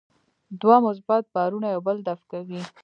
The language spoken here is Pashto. دوه مثبت بارونه یو بل دفع کوي.